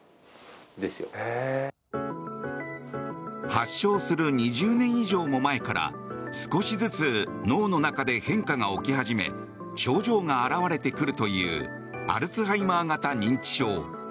発症する２０年以上も前から少しずつ脳の中で変化が起き始め症状が表れてくるというアルツハイマー型認知症。